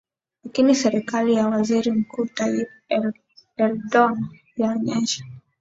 Lakini serekali ya waziri mkuu Tayyip Erdogan yaonesha